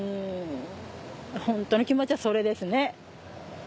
ホントの気持ちはそれですね。